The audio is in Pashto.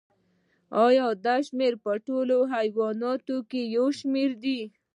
ایا دا شمیر په ټولو حیواناتو کې یو شان دی